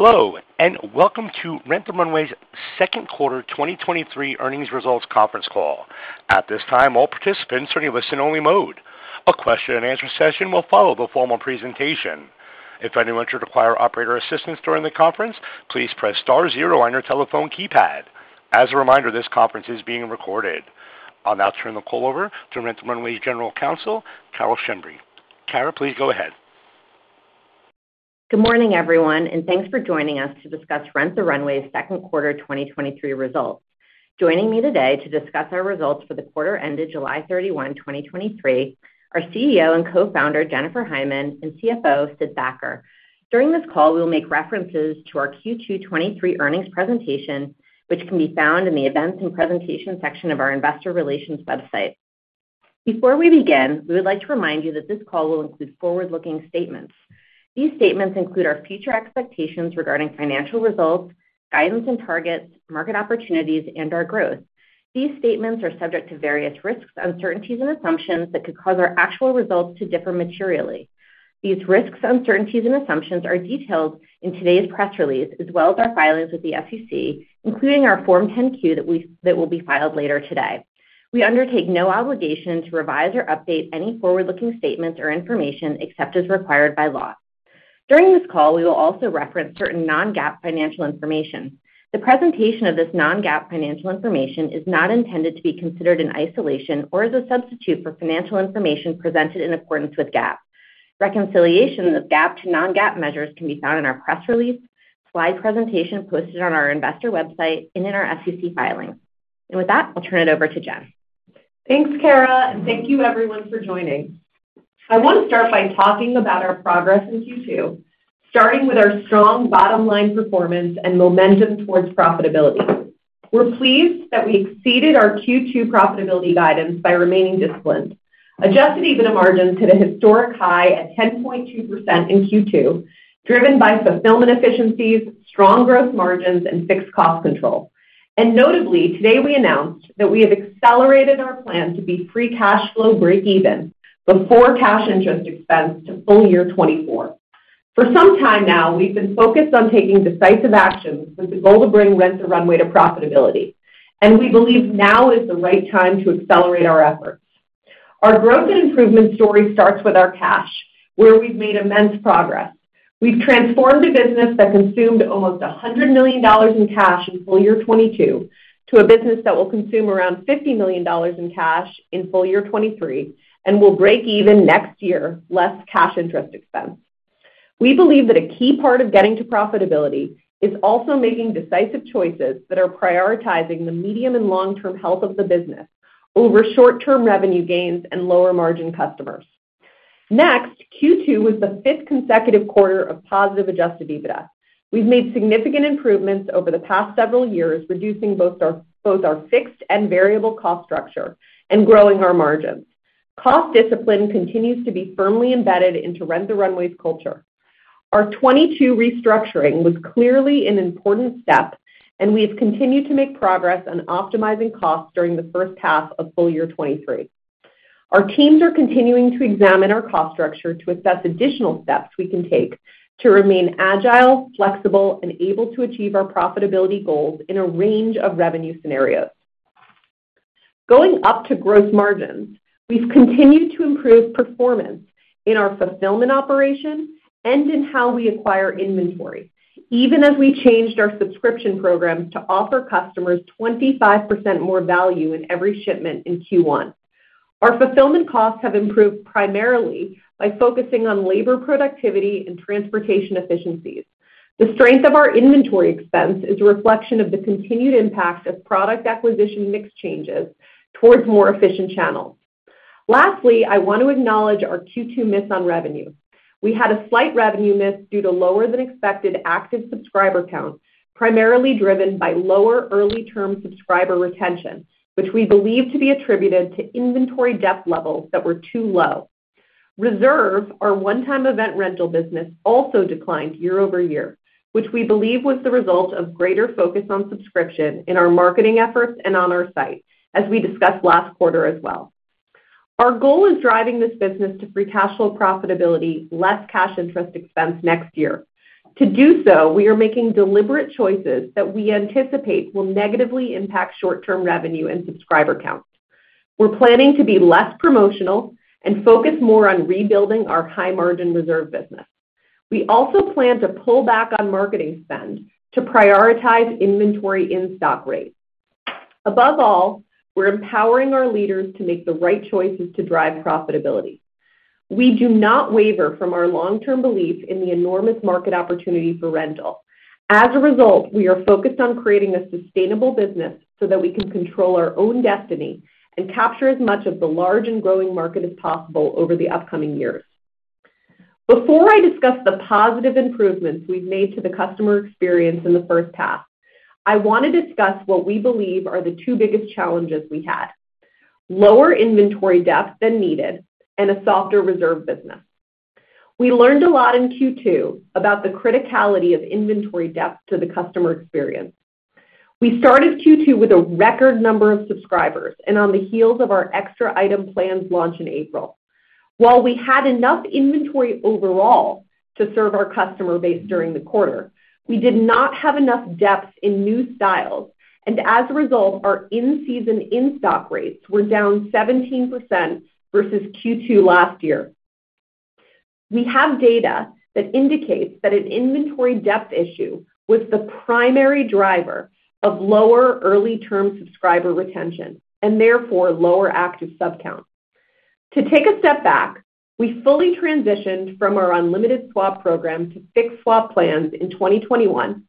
Hello, and welcome to Rent the Runway's Second Quarter 2023 Earnings Results Conference Call. At this time, all participants are in listen-only mode. A question-and-answer session will follow the formal presentation. If anyone should require operator assistance during the conference, please press star zero on your telephone keypad. As a reminder, this conference is being recorded. I'll now turn the call over to Rent the Runway General Counsel, Cara Schembri. Cara, please go ahead. Good morning, everyone, and thanks for joining us to discuss Rent the Runway's Second Quarter 2023 Results. Joining me today to discuss our results for the quarter ended July 31, 2023, are CEO and Co-founder, Jennifer Hyman, and CFO, Sid Thacker. During this call, we will make references to our Q2 2023 Earnings Presentation, which can be found in the Events & Presentations section of our Investor Relations website. Before we begin, we would like to remind you that this call will include forward-looking statements. These statements include our future expectations regarding financial results, guidance and targets, market opportunities, and our growth. These statements are subject to various risks, uncertainties and assumptions that could cause our actual results to differ materially. These risks, uncertainties and assumptions are detailed in today's press release, as well as our filings with the SEC, including our Form 10-Q that will be filed later today. We undertake no obligation to revise or update any forward-looking statements or information except as required by law. During this call, we will also reference certain non-GAAP financial information. The presentation of this non-GAAP financial information is not intended to be considered in isolation or as a substitute for financial information presented in accordance with GAAP. Reconciliation of GAAP to non-GAAP measures can be found in our press release, slide presentation posted on our investor website and in our SEC filings. With that, I'll turn it over to Jen. Thanks, Cara, and thank you everyone for joining. I want to start by talking about our progress in Q2, starting with our strong bottom line performance and momentum towards profitability. We're pleased that we exceeded our Q2 profitability guidance by remaining disciplined. Adjusted EBITDA margins hit a historic high at 10.2% in Q2, driven by fulfillment efficiencies, strong gross margins, and fixed cost control. Notably, today, we announced that we have accelerated our plan to be free cash flow breakeven before cash and interest expense to full year 2024. For some time now, we've been focused on taking decisive actions with the goal to bring Rent the Runway to profitability, and we believe now is the right time to accelerate our efforts. Our growth and improvement story starts with our cash, where we've made immense progress. We've transformed a business that consumed almost $100 million in cash in full year 2022, to a business that will consume around $50 million in cash in full year 2023, and will break even next year, less cash interest expense. We believe that a key part of getting to profitability is also making decisive choices that are prioritizing the medium and long-term health of the business over short-term revenue gains and lower margin customers. Next, Q2 was the fifth consecutive quarter of positive adjusted EBITDA. We've made significant improvements over the past several years, reducing both our, both our fixed and variable cost structure and growing our margins. Cost discipline continues to be firmly embedded into Rent the Runway's culture. Our 2022 restructuring was clearly an important step, and we've continued to make progress on optimizing costs during the first half of full year 2023. Our teams are continuing to examine our cost structure to assess additional steps we can take to remain agile, flexible, and able to achieve our profitability goals in a range of revenue scenarios. Going up to gross margins, we've continued to improve performance in our fulfillment operations and in how we acquire inventory, even as we changed our Subscription programs to offer customers 25% more value in every shipment in Q1. Our fulfillment costs have improved primarily by focusing on labor productivity and transportation efficiencies. The strength of our inventory expense is a reflection of the continued impact of product acquisition mix changes towards more efficient channels. Lastly, I want to acknowledge our Q2 miss on revenue. We had a slight revenue miss due to lower than expected active subscriber count, primarily driven by lower early-term subscriber retention, which we believe to be attributed to inventory depth levels that were too low. Reserve, our one-time event rental business, also declined year-over-year, which we believe was the result of greater focus on Subscription in our marketing efforts and on our site, as we discussed last quarter as well. Our goal is driving this business to free cash flow profitability, less cash interest expense next year. To do so, we are making deliberate choices that we anticipate will negatively impact short-term revenue and subscriber counts. We're planning to be less promotional and focus more on rebuilding our high-margin Reserve business. We also plan to pull back on marketing spend to prioritize inventory in-stock rates. Above all, we're empowering our leaders to make the right choices to drive profitability. We do not waver from our long-term belief in the enormous market opportunity for rental. As a result, we are focused on creating a sustainable business so that we can control our own destiny and capture as much of the large and growing market as possible over the upcoming years. Before I discuss the positive improvements we've made to the customer experience in the first half, I want to discuss what we believe are the two biggest challenges we had, lower inventory depth than needed and a softer Reserve business. We learned a lot in Q2 about the criticality of inventory depth to the customer experience. We started Q2 with a record number of subscribers and on the heels of our extra item plans launch in April. While we had enough inventory overall to serve our customer base during the quarter, we did not have enough depth in new styles, and as a result, our in-season in-stock rates were down 17% versus Q2 last year. We have data that indicates that an inventory depth issue was the primary driver of lower early-term subscriber retention and therefore lower active sub count. To take a step back, we fully transitioned from our unlimited swap program to fixed swap plans in 2021,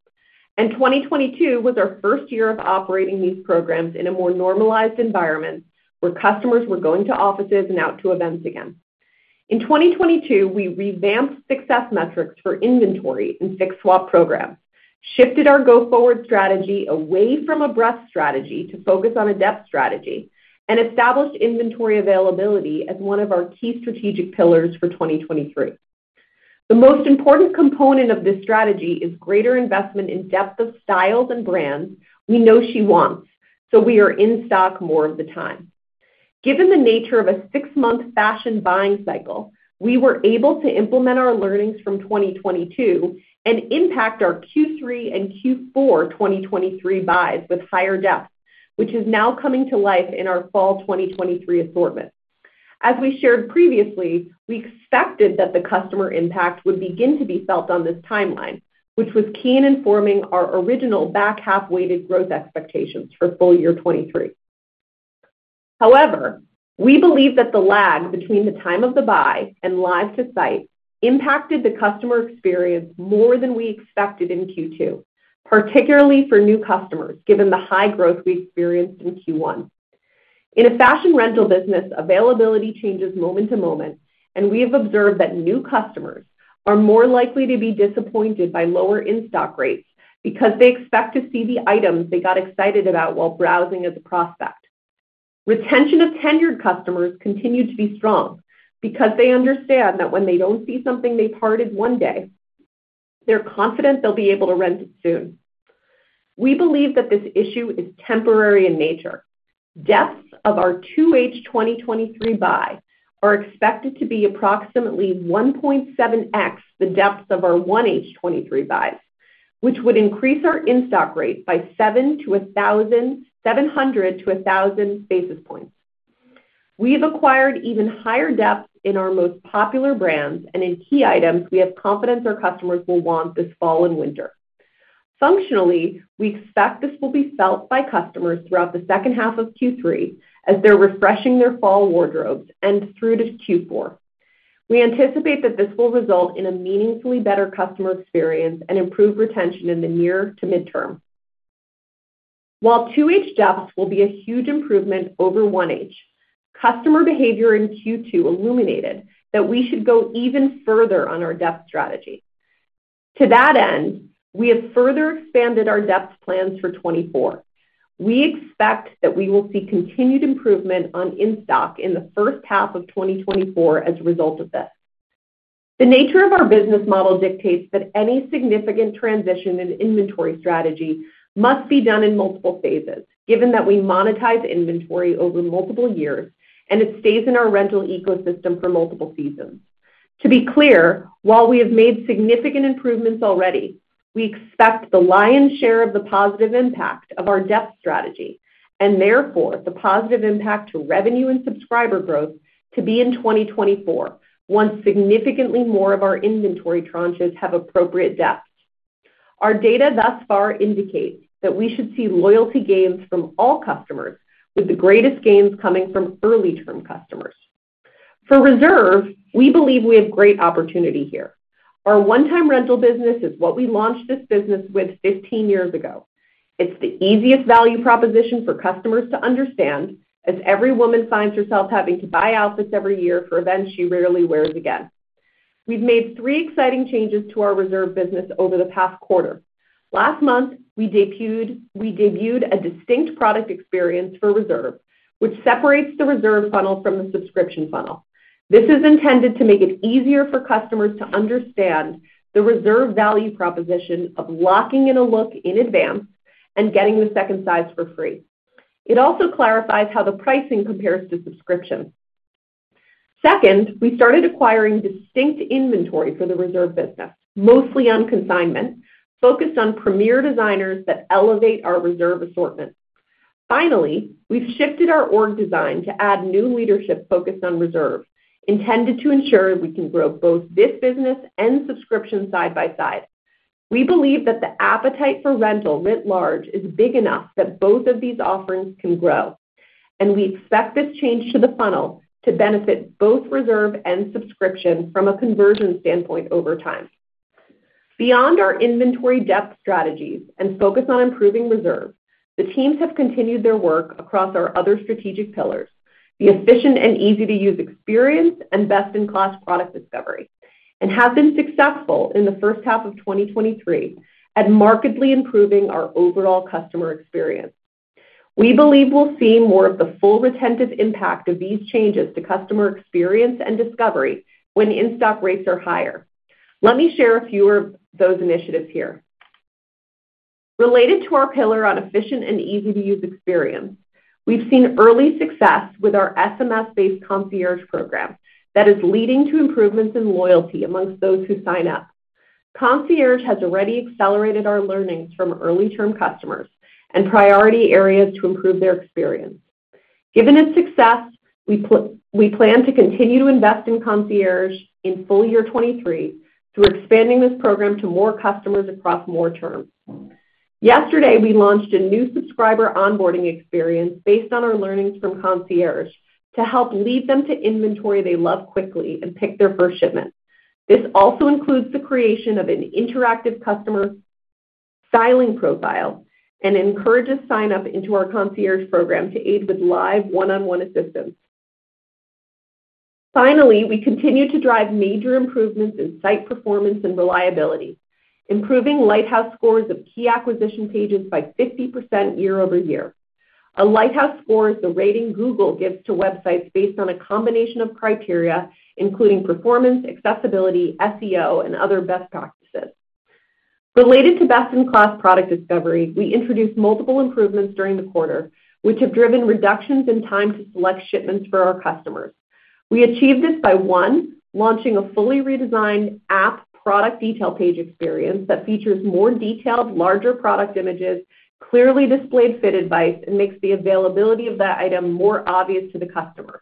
and 2022 was our first year of operating these programs in a more normalized environment, where customers were going to offices and out to events again. In 2022, we revamped success metrics for inventory and fixed swap programs, shifted our go-forward strategy away from a breadth strategy to focus on a depth strategy, and established inventory availability as one of our key strategic pillars for 2023. The most important component of this strategy is greater investment in depth of styles and brands we know she wants, so we are in stock more of the time. Given the nature of a six-month fashion buying cycle, we were able to implement our learnings from 2022 and impact our Q3 and Q4 2023 buys with higher depth, which is now coming to life in our fall 2023 assortment. As we shared previously, we expected that the customer impact would begin to be felt on this timeline, which was key in informing our original back half weighted growth expectations for full year 2023. However, we believe that the lag between the time of the buy and live to site impacted the customer experience more than we expected in Q2, particularly for new customers, given the high growth we experienced in Q1. In a fashion rental business, availability changes moment to moment, and we have observed that new customers are more likely to be disappointed by lower in-stock rates because they expect to see the items they got excited about while browsing as a prospect. Retention of tenured customers continued to be strong because they understand that when they don't see something they've hearted one day, they're confident they'll be able to rent it soon. We believe that this issue is temporary in nature. Depths of our 2H 2023 buy are expected to be approximately 1.7x the depths of our 1H 2023 buys, which would increase our in-stock rate by 700-1,000 basis points. We've acquired even higher depth in our most popular brands and in key items we have confidence our customers will want this fall and winter. Functionally, we expect this will be felt by customers throughout the second half of Q3 as they're refreshing their fall wardrobes and through to Q4. We anticipate that this will result in a meaningfully better customer experience and improved retention in the near to midterm. While 2H depths will be a huge improvement over 1H, customer behavior in Q2 illuminated that we should go even further on our depth strategy. To that end, we have further expanded our depth plans for 2024. We expect that we will see continued improvement on in-stock in the first half of 2024 as a result of this. The nature of our business model dictates that any significant transition in inventory strategy must be done in multiple phases, given that we monetize inventory over multiple years and it stays in our rental ecosystem for multiple seasons. To be clear, while we have made significant improvements already, we expect the lion's share of the positive impact of our depth strategy and therefore the positive impact to revenue and subscriber growth, to be in 2024, once significantly more of our inventory tranches have appropriate depth. Our data thus far indicates that we should see loyalty gains from all customers, with the greatest gains coming from early-term customers. For Reserve, we believe we have great opportunity here. Our One Time Rental business is what we launched this business with 15 years ago. It's the easiest value proposition for customers to understand, as every woman finds herself having to buy outfits every year for events she rarely wears again. We've made three exciting changes to our Reserve business over the past quarter. Last month, we debuted a distinct product experience for Reserve, which separates the Reserve funnel from the Subscription funnel. This is intended to make it easier for customers to understand the Reserve value proposition of locking in a look in advance and getting the second size for free. It also clarifies how the pricing compares to Subscription. Second, we started acquiring distinct inventory for the Reserve business, mostly on consignment, focused on premier designers that elevate our Reserve assortment. Finally, we've shifted our org design to add new leadership focused on Reserve, intended to ensure we can grow both this business and Subscription side-by-side. We believe that the appetite for rental, writ large, is big enough that both of these offerings can grow, and we expect this change to the funnel to benefit both Reserve and Subscription from a conversion standpoint over time. Beyond our inventory depth strategies and focus on improving Reserve, the teams have continued their work across our other strategic pillars, the efficient and easy-to-use experience, and best-in-class product discovery, and have been successful in the first half of 2023 at markedly improving our overall customer experience. We believe we'll see more of the full retention impact of these changes to customer experience and discovery when in-stock rates are higher. Let me share a few of those initiatives here. Related to our pillar on efficient and easy-to-use experience, we've seen early success with our SMS-based Concierge Program that is leading to improvements in loyalty among those who sign up. Concierge has already accelerated our learnings from early term customers and priority areas to improve their experience. Given its success, we plan to continue to invest in Concierge in full year 2023 through expanding this program to more customers across more terms. Yesterday, we launched a new subscriber onboarding experience based on our learnings from Concierge, to help lead them to inventory they love quickly and pick their first shipment. This also includes the creation of an interactive customer styling profile and encourages sign up into our Concierge Program to aid with live one-on-one assistance. Finally, we continue to drive major improvements in site performance and reliability, improving Lighthouse Scores of key acquisition pages by 50% year-over-year. A Lighthouse Score is the rating Google gives to websites based on a combination of criteria, including performance, accessibility, SEO, and other best practices. Related to best-in-class product discovery, we introduced multiple improvements during the quarter, which have driven reductions in time to select shipments for our customers. We achieved this by, one, launching a fully redesigned app product detail page experience that features more detailed, larger product images, clearly displayed fit advice, and makes the availability of that item more obvious to the customer.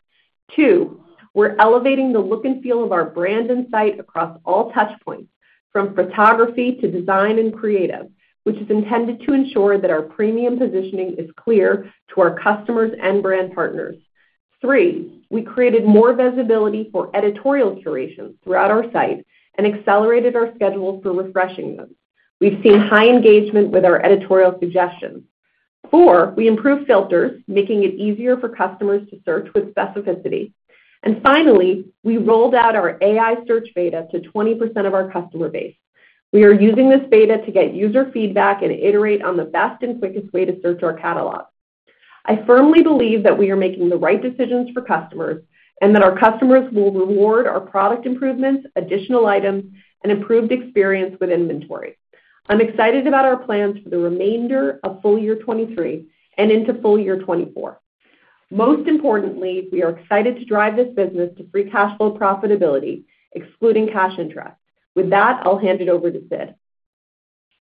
Two, we're elevating the look and feel of our brand and site across all touch points, from photography to design and creative, which is intended to ensure that our premium positioning is clear to our customers and brand partners. Three, we created more visibility for editorial curation throughout our site and accelerated our schedules for refreshing them. We've seen high engagement with our editorial suggestions. Four, we improved filters, making it easier for customers to search with specificity. Finally, we rolled out our AI search beta to 20% of our customer base. We are using this beta to get user feedback and iterate on the best and quickest way to search our catalog. I firmly believe that we are making the right decisions for customers, and that our customers will reward our product improvements, additional items, and improved experience with inventory. I'm excited about our plans for the remainder of full year 2023 and into full year 2024. Most importantly, we are excited to drive this business to free cash flow profitability, excluding cash interest. With that, I'll hand it over to Sid.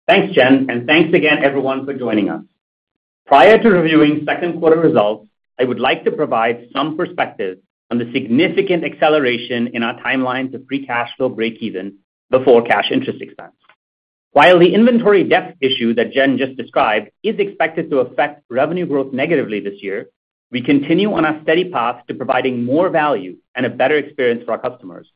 Thanks, Jen, and thanks again everyone for joining us. Prior to reviewing second quarter results, I would like to provide some perspective on the significant acceleration in our timeline to free cash flow breakeven before cash interest expense. While the inventory depth issue that Jen just described is expected to affect revenue growth negatively this year, we continue on a steady path to providing more value and a better experience for our customers.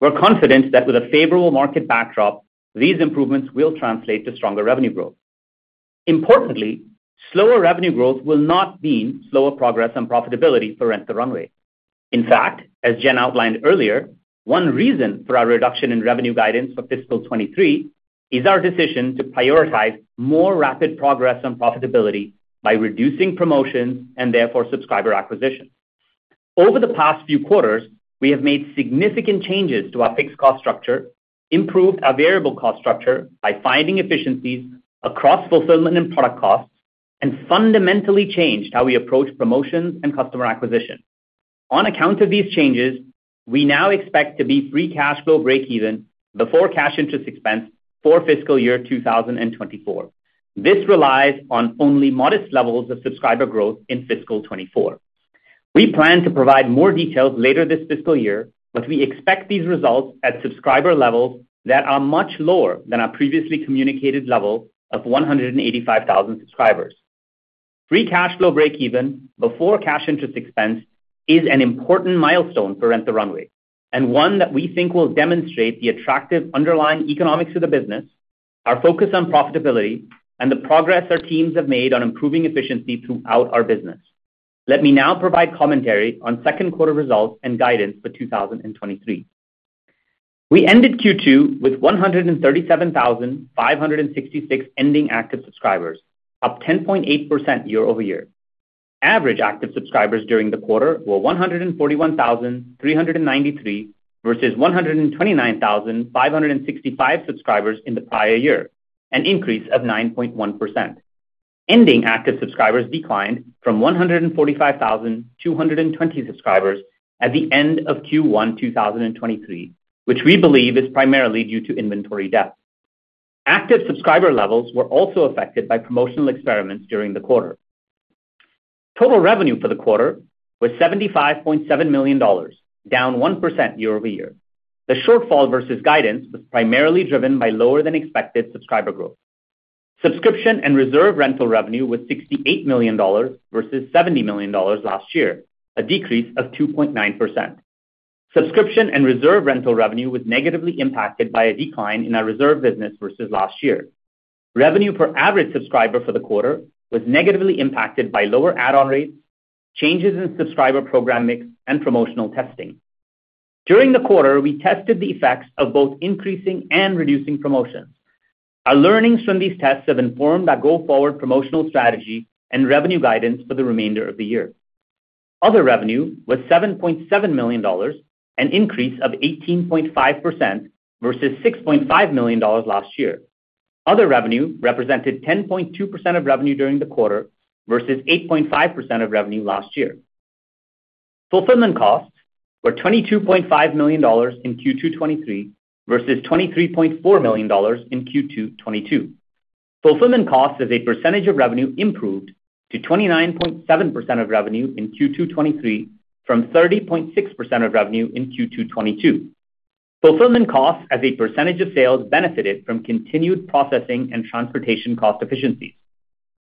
We're confident that with a favorable market backdrop, these improvements will translate to stronger revenue growth. Importantly, slower revenue growth will not mean slower progress on profitability for Rent the Runway. In fact, as Jen outlined earlier, one reason for our reduction in revenue guidance for fiscal 2023 is our decision to prioritize more rapid progress on profitability by reducing promotions and therefore, subscriber acquisition. Over the past few quarters, we have made significant changes to our fixed cost structure, improved our variable cost structure by finding efficiencies across fulfillment and product costs, and fundamentally changed how we approach promotions and customer acquisition. On account of these changes, we now expect to be free cash flow breakeven before cash interest expense for fiscal year 2024. This relies on only modest levels of subscriber growth in fiscal 2024. We plan to provide more details later this fiscal year, but we expect these results at subscriber levels that are much lower than our previously communicated level of 185,000 subscribers. Free cash flow breakeven, before cash interest expense, is an important milestone for Rent the Runway, and one that we think will demonstrate the attractive underlying economics of the business, our focus on profitability, and the progress our teams have made on improving efficiency throughout our business. Let me now provide commentary on second quarter results and guidance for 2023. We ended Q2 with 137,566 ending active subscribers, up 10.8% year-over-year. Average active subscribers during the quarter were 141,393, versus 129,565 subscribers in the prior year, an increase of 9.1%. Ending active subscribers declined from 145,220 subscribers at the end of Q1 2023, which we believe is primarily due to inventory depth. Active subscriber levels were also affected by promotional experiments during the quarter. Total revenue for the quarter was $75.7 million, down 1% year-over-year. The shortfall versus guidance was primarily driven by lower than expected subscriber growth. Subscription and Reserve rental revenue was $68 million, versus $70 million last year, a decrease of 2.9%. Subscription and Reserve rental revenue was negatively impacted by a decline in our Reserve business versus last year. Revenue per average subscriber for the quarter was negatively impacted by lower add-on rates, changes in subscriber program mix, and promotional testing. During the quarter, we tested the effects of both increasing and reducing promotions. Our learnings from these tests have informed our go-forward promotional strategy and revenue guidance for the remainder of the year. Other revenue was $7.7 million, an increase of 18.5% versus $6.5 million last year. Other revenue represented 10.2% of revenue during the quarter versus 8.5% of revenue last year. Fulfillment costs were $22.5 million in Q2 2023 versus $23.4 million in Q2 2022. Fulfillment costs as a percentage of revenue improved to 29.7% of revenue in Q2 2023, from 30.6% of revenue in Q2 2022. Fulfillment costs as a percentage of sales, benefited from continued processing and transportation cost efficiencies.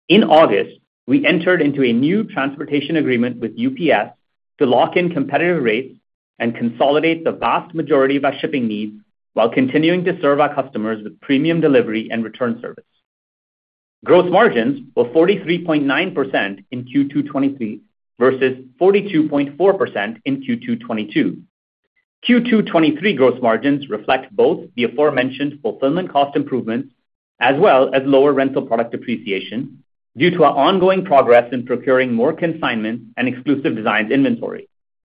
In August, we entered into a new transportation agreement with UPS to lock in competitive rates and consolidate the vast majority of our shipping needs, while continuing to serve our customers with premium delivery and return service. Gross margins were 43.9% in Q2 2023 versus 42.4% in Q2 2022. Q2 2023 gross margins reflect both the aforementioned fulfillment cost improvements, as well as lower rental product depreciation, due to our ongoing progress in procuring more consignment and exclusive designs inventory.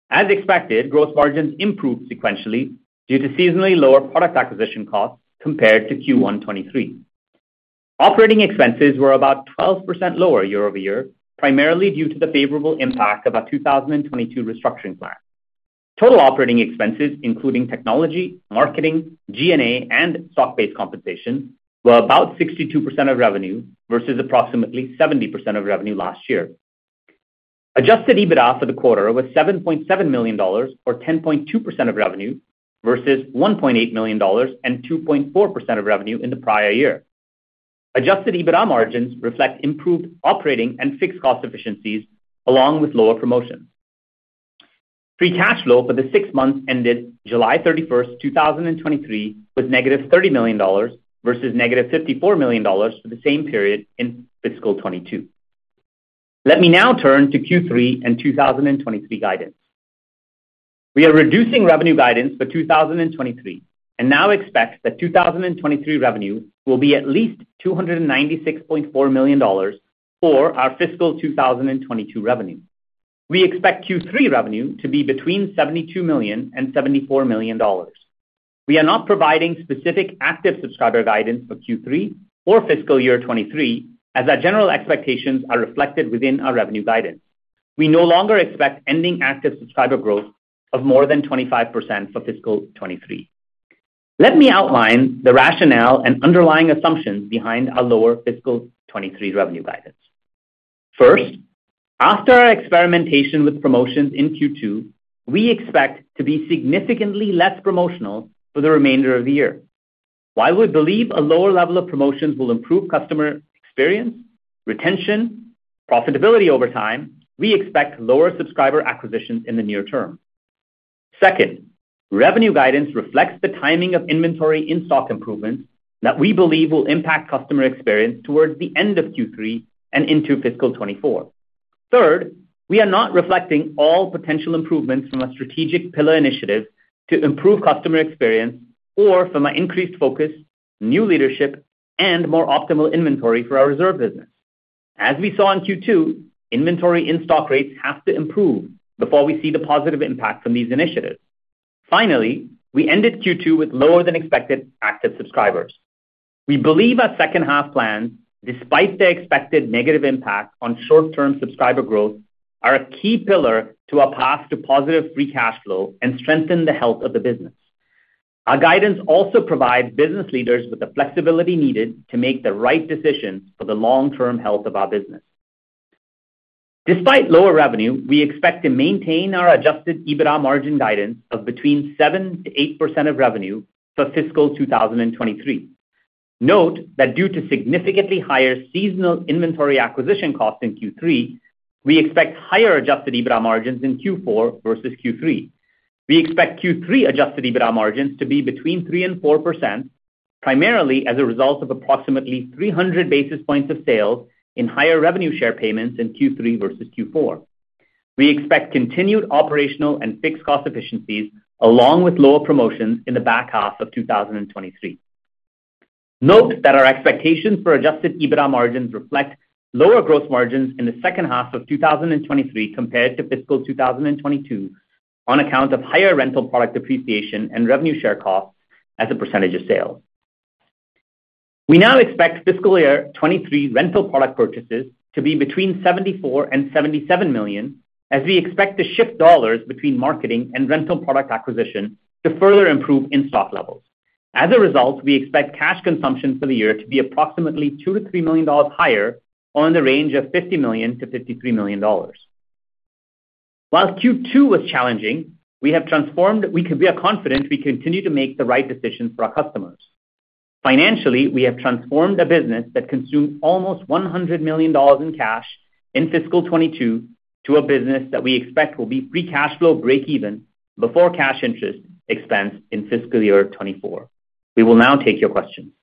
As expected, gross margins improved sequentially due to seasonally lower product acquisition costs compared to Q1 2023. Operating expenses were about 12% lower year-over-year, primarily due to the favorable impact of our 2022 restructuring plan. Total operating expenses, including technology, marketing, G&A, and stock-based compensation, were about 62% of revenue versus approximately 70% of revenue last year. Adjusted EBITDA for the quarter was $7.7 million, or 10.2% of revenue, versus $1.8 million and 2.4% of revenue in the prior year. Adjusted EBITDA margins reflect improved operating and fixed cost efficiencies, along with lower promotions. Free cash flow for the six months ended July 31st, 2023, was negative $30 million versus negative $54 million for the same period in fiscal 2022. Let me now turn to Q3 and 2023 guidance. We are reducing revenue guidance for 2023, and now expect that 2023 revenue will be at least $296.4 million for our fiscal 2022 revenue. We expect Q3 revenue to be between $72 million and $74 million. We are not providing specific active subscriber guidance for Q3 or fiscal year 2023, as our general expectations are reflected within our revenue guidance. We no longer expect ending active subscriber growth of more than 25% for fiscal 2023. Let me outline the rationale and underlying assumptions behind our lower fiscal 2023 revenue guidance. First, after our experimentation with promotions in Q2, we expect to be significantly less promotional for the remainder of the year. While we believe a lower level of promotions will improve customer experience, retention, profitability over time, we expect lower subscriber acquisitions in the near term. Second, revenue guidance reflects the timing of inventory in-stock improvements that we believe will impact customer experience towards the end of Q3 and into fiscal 2024. Third, we are not reflecting all potential improvements from our strategic pillar initiatives to improve customer experience or from our increased focus, new leadership, and more optimal inventory for our reserve business. As we saw in Q2, inventory in-stock rates have to improve before we see the positive impact from these initiatives. Finally, we ended Q2 with lower than expected active subscribers. We believe our second half plans, despite the expected negative impact on short-term subscriber growth, are a key pillar to our path to positive free cash flow and strengthen the health of the business. Our guidance also provides business leaders with the flexibility needed to make the right decisions for the long-term health of our business. Despite lower revenue, we expect to maintain our adjusted EBITDA margin guidance of between 7%-8% of revenue for fiscal 2023. Note that due to significantly higher seasonal inventory acquisition costs in Q3, we expect higher adjusted EBITDA margins in Q4 versus Q3. We expect Q3 adjusted EBITDA margins to be between 3%-4%, primarily as a result of approximately 300 basis points of sales in higher revenue share payments in Q3 versus Q4. We expect continued operational and fixed cost efficiencies, along with lower promotions in the back half of 2023. Note that our expectations for adjusted EBITDA margins reflect lower gross margins in the second half of 2023 compared to fiscal 2022, on account of higher rental product depreciation and revenue share costs as a percentage of sales. We now expect fiscal year 2023 rental product purchases to be between $74 million and $77 million, as we expect to shift dollars between marketing and rental product acquisition to further improve in-stock levels. As a result, we expect cash consumption for the year to be approximately $2 million-$3 million higher, or in the range of $50 million-$53 million. While Q2 was challenging, we have transformed, we are confident we continue to make the right decisions for our customers. Financially, we have transformed a business that consumed almost $100 million in cash in fiscal 2022 to a business that we expect will be free cash flow breakeven before cash interest expense in fiscal year 2024. We will now take your questions.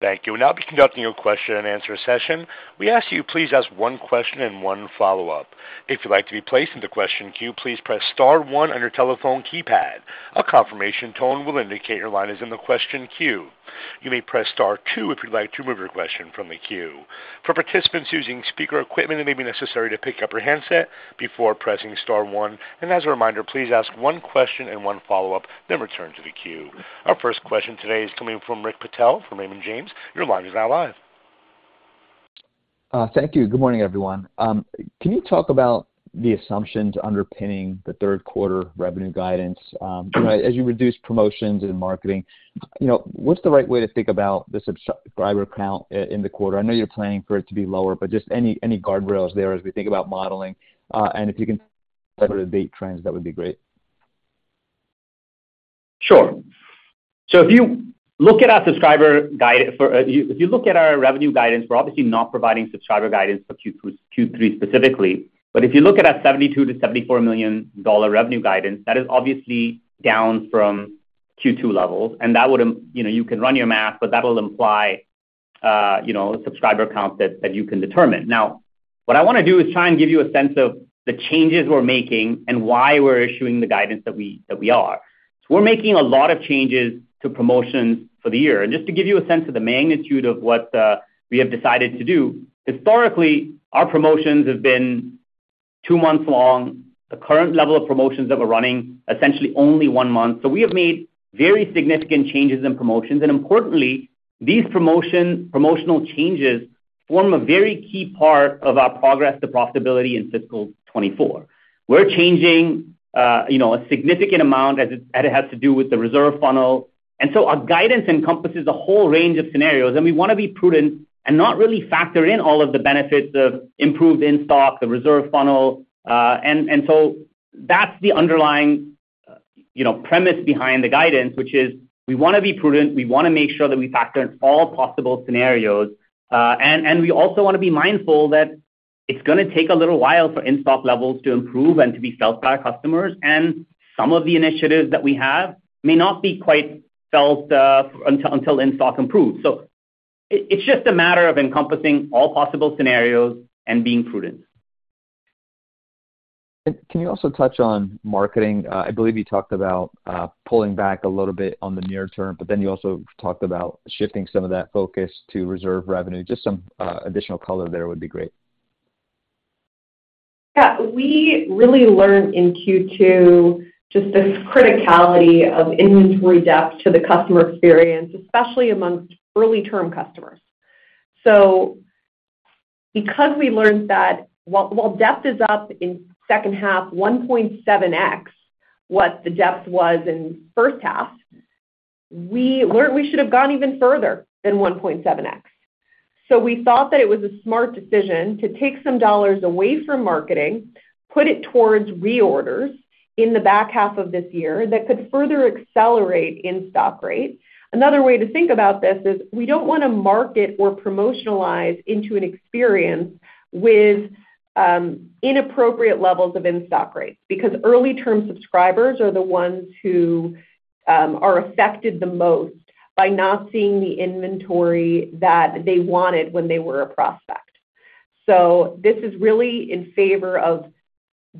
Thank you. We'll now be conducting a question-and-answer session. We ask you, please ask one question and one follow-up. If you'd like to be placed in the question queue, please press star one on your telephone keypad. A confirmation tone will indicate your line is in the question queue. You may press star two if you'd like to remove your question from the queue. For participants using speaker equipment, it may be necessary to pick up your handset before pressing star one. And as a reminder, please ask one question and one follow-up, then return to the queue. Our first question today is coming from Rick Patel from Raymond James. Your line is now live. Thank you. Good morning, everyone. Can you talk about the assumptions underpinning the third quarter revenue guidance? As you reduce promotions and marketing, you know, what's the right way to think about the subscriber count in the quarter? I know you're planning for it to be lower, but just any guardrails there as we think about modeling. And if you can debate trends, that would be great. Sure. So if you look at our subscriber guidance for, if you look at our revenue guidance, we're obviously not providing subscriber guidance for Q3 specifically. But if you look at our $72 million-$74 million revenue guidance, that is obviously down from Q2 levels, and that would, you know, you can run your math, but that will imply, you know, a subscriber count that, that you can determine. Now, what I want to do is try and give you a sense of the changes we're making and why we're issuing the guidance that we, that we are. So we're making a lot of changes to promotions for the year. And just to give you a sense of the magnitude of what, we have decided to do, historically, our promotions have been two months long. The current level of promotions that we're running, essentially only one month. So we have made very significant changes in promotions, and importantly, these promotional changes form a very key part of our progress to profitability in fiscal 2024. We're changing, you know, a significant amount as it has to do with the Reserve funnel. And so our guidance encompasses a whole range of scenarios, and we want to be prudent and not really factor in all of the benefits of improved in-stock, the Reserve funnel, and so that's the underlying, you know, premise behind the guidance, which is we want to be prudent. We want to make sure that we factor in all possible scenarios, and we also want to be mindful that it's going to take a little while for in-stock levels to improve and to be felt by our customers. And some of the initiatives that we have may not be quite felt until in-stock improves. So it's just a matter of encompassing all possible scenarios and being prudent. And can you also touch on marketing? I believe you talked about, pulling back a little bit on the near term, but then you also talked about shifting some of that focus to Reserve revenue. Just some, additional color there would be great. Yeah, we really learned in Q2, just this criticality of inventory depth to the customer experience, especially amongst early term customers. So because we learned that while depth is up in second half, 1.7x what the depth was in first half, we learned we should have gone even further than 1.7x. So we thought that it was a smart decision to take some dollars away from marketing, put it towards reorders in the back half of this year. That could further accelerate in-stock rates. Another way to think about this is we don't want to market or promotionalize into an experience with inappropriate levels of in-stock rates, because early term subscribers are the ones who are affected the most by not seeing the inventory that they wanted when they were a prospect. This is really in favor of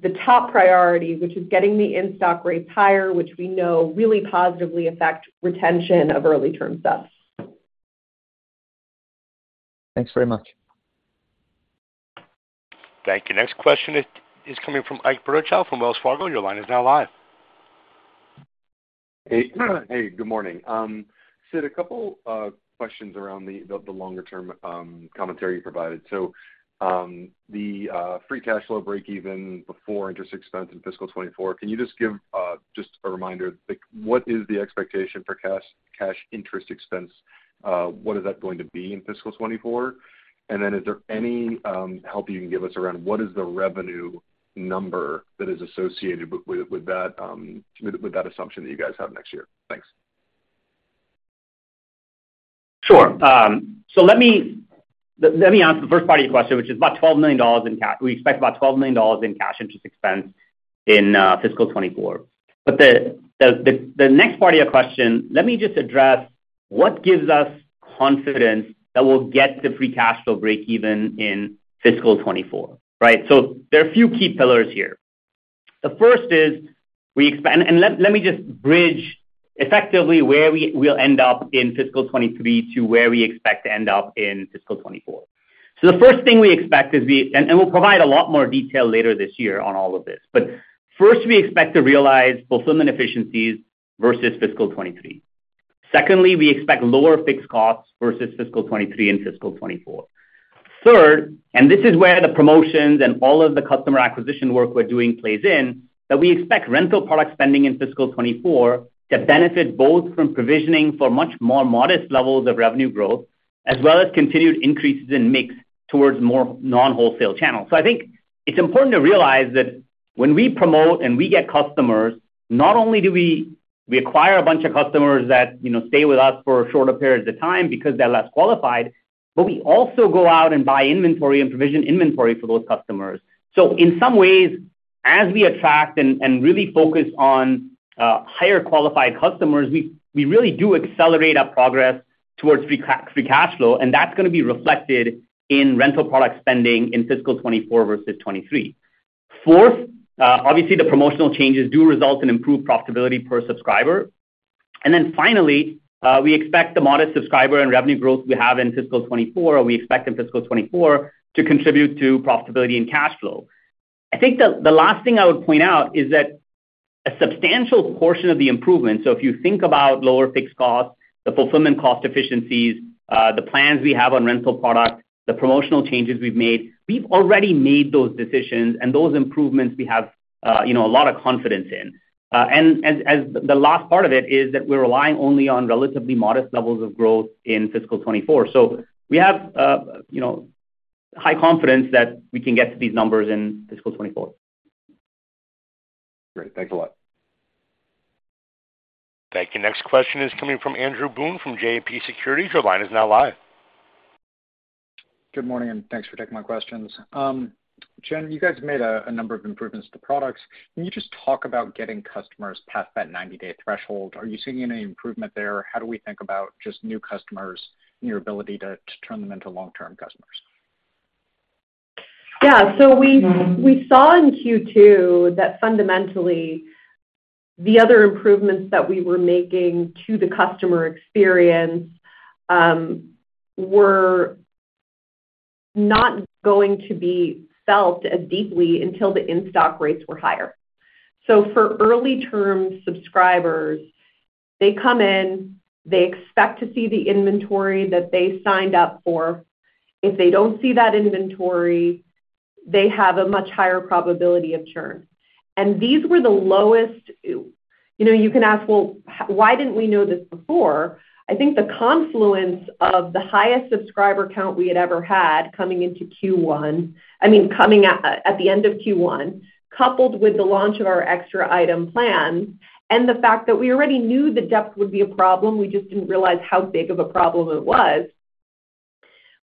the top priority, which is getting the in-stock rates higher, which we know really positively affect retention of early term subs. Thanks very much. Thank you. Next question is coming from Ike Boruchow, from Wells Fargo. Your line is now live. Hey, hey, good morning. Sid, a couple questions around the longer-term commentary you provided. So, the free cash flow break even before interest expense in fiscal 2024. Can you just give just a reminder, like, what is the expectation for cash interest expense? What is that going to be in fiscal 2024? And then is there any help you can give us around what is the revenue number that is associated with that assumption that you guys have next year? Thanks. Sure. So let me answer the first part of your question, which is about $12 million in cash. We expect about $12 million in cash interest expense in fiscal 2024. But the next part of your question, let me just address what gives us confidence that we'll get the free cash flow breakeven in fiscal 2024, right? So there are a few key pillars here. The first is we expect. And let me just bridge effectively where we'll end up in fiscal 2023 to where we expect to end up in fiscal 2024. So the first thing we expect is we. And we'll provide a lot more detail later this year on all of this. But first, we expect to realize fulfillment efficiencies versus fiscal 2023. Secondly, we expect lower fixed costs versus fiscal 2023 and fiscal 2024. Third, and this is where the promotions and all of the customer acquisition work we're doing plays in, that we expect rental product spending in fiscal 2024 to benefit both from provisioning for much more modest levels of revenue growth, as well as continued increases in mix towards more non-wholesale channels. So I think it's important to realize that when we promote and we get customers, not only do we acquire a bunch of customers that, you know, stay with us for shorter periods of time because they're less qualified, but we also go out and buy inventory and provision inventory for those customers. So in some ways, as we attract and really focus on higher qualified customers, we really do accelerate our progress towards free cash flow, and that's going to be reflected in rental product spending in fiscal 2024 versus 2023. Fourth, obviously, the promotional changes do result in improved profitability per subscriber. And then finally, we expect the modest subscriber and revenue growth we have in fiscal 2024, or we expect in fiscal 2024, to contribute to profitability and cash flow. I think the last thing I would point out is that a substantial portion of the improvement, so if you think about lower fixed costs, the fulfillment cost efficiencies, the plans we have on rental product, the promotional changes we've made, we've already made those decisions and those improvements we have, you know, a lot of confidence in. As the last part of it is that we're relying only on relatively modest levels of growth in fiscal 2024. So we have, you know, high confidence that we can get to these numbers in fiscal 2024. Great, thanks a lot. Thank you. Next question is coming from Andrew Boone, from JMP Securities. Your line is now live. Good morning, and thanks for taking my questions. Jen, you guys made a number of improvements to the products. Can you just talk about getting customers past that 90-day threshold? Are you seeing any improvement there? How do we think about just new customers and your ability to turn them into long-term customers? Yeah. So we saw in Q2 that fundamentally, the other improvements that we were making to the customer experience were not going to be felt as deeply until the in-stock rates were higher. So for early-term subscribers, they come in, they expect to see the inventory that they signed up for. If they don't see that inventory, they have a much higher probability of churn. And these were the lowest, you know, you can ask, "Well, why didn't we know this before?" I think the confluence of the highest subscriber count we had ever had coming into Q1, I mean, coming at the end of Q1, coupled with the launch of our extra item plan and the fact that we already knew the depth would be a problem, we just didn't realize how big of a problem it was.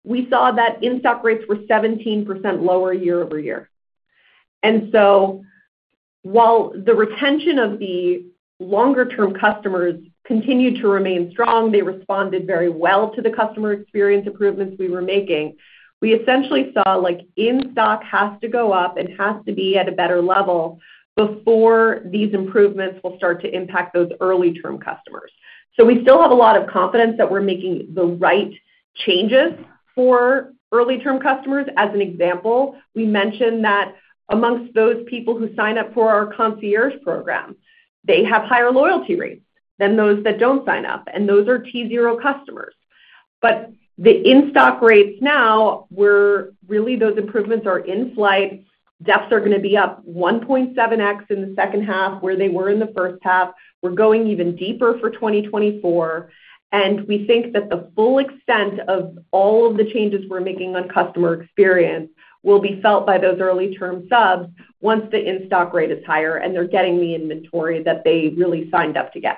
We saw that in-stock rates were 17% lower year-over-year. And so while the retention of the longer-term customers continued to remain strong, they responded very well to the customer experience improvements we were making. We essentially saw, like, in-stock has to go up and has to be at a better level before these improvements will start to impact those early-term customers. So we still have a lot of confidence that we're making the right changes for early-term customers. As an example, we mentioned that amongst those people who sign up for our Concierge Program, they have higher loyalty rates than those that don't sign up, and those are T0 customers. But the in-stock rates now, we're really those improvements are in flight. Depths are going to be up 1.7x in the second half, where they were in the first half. We're going even deeper for 2024, and we think that the full extent of all of the changes we're making on customer experience will be felt by those early-term subs once the in-stock rate is higher and they're getting the inventory that they really signed up to get.